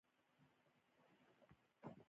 ده کله کله د هغوی مشرانو ته بلنه ورکړه.